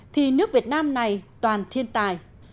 thì nước việt nam này toàn thiên tài